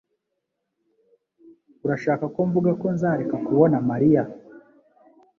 Urashaka ko mvuga ko nzareka kubona Mariya?